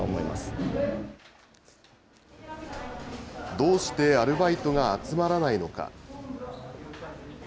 どうしてアルバイトが集まらないのか。